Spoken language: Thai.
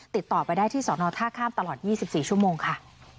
ติดต่อไปได้ที่สอนอท่าข้ามตลอด๒๔ชั่วโมงค่ะ